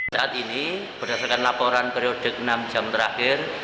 saat ini berdasarkan laporan periodik enam jam terakhir